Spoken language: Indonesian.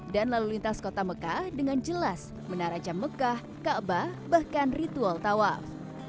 dan lalu lintas kota mekah dengan jelas menara jam mekah ka'bah bahkan ritual tawaf